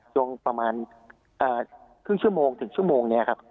ประมาณครึ่งชั่วโมงถึงชั่วโมงนี้ครับ